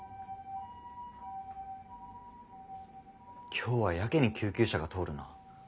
今日はやけに救急車が通るな。